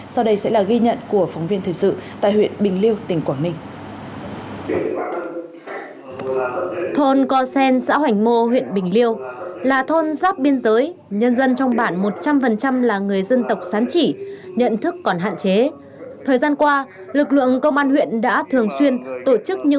sau đây sẽ là ghi nhận của phóng viên thời sự tại huyện bình liêu tỉnh quảng ninh